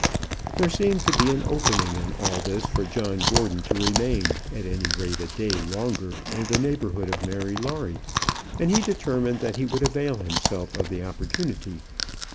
There seemed to be an opening in all this for John Gordon to remain at any rate a day longer in the neighbourhood of Mary Lawrie, and he determined that he would avail himself of the opportunity.